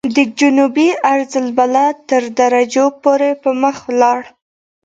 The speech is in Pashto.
د جنوبي عرض البلد تر درجو پورې پرمخ ولاړ.